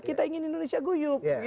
kita ingin indonesia guyuk